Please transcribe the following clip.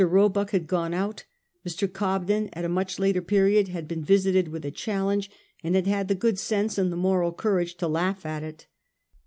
Koebuck had gone out ; Mr. Cobden at a much later period had been visited with a challenge, and had had the good sense and the moral courage to laugh at it.